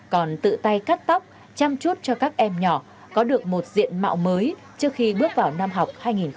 còn tự tay cắt tóc chăm chút cho các em nhỏ có được một diện mạo mới trước khi bước vào năm học hai nghìn hai mươi hai nghìn hai mươi